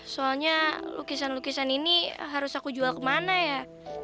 soalnya lukisan lukisan ini harus aku jual kemana ya